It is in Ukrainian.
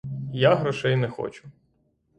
Я грошей не хочу.